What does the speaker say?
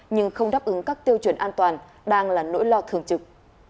nhưng không đáp ứng các tiêu chuẩn an toàn đang là nỗi lo thường trực